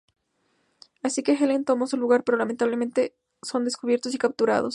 Así que Helen tomo su lugar, pero lamentablemente son descubiertos y capturados.